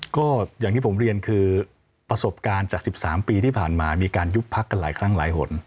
ก็อย่างที่ผมเรียนคือประสบการณ์จาก๑๓ปีที่ผ่านมามีการยุบพักกันหลายครั้งหลายหน